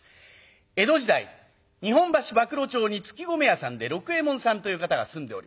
江戸時代日本橋馬喰町に搗米屋さんで六右衛門さんという方が住んでおります。